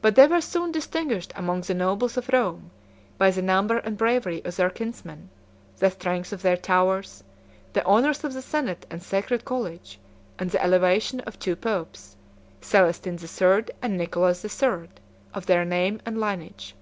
But they were soon distinguished among the nobles of Rome, by the number and bravery of their kinsmen, the strength of their towers, the honors of the senate and sacred college, and the elevation of two popes, Celestin the Third and Nicholas the Third, of their name and lineage.